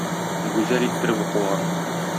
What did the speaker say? Гүзәл иттереп укылган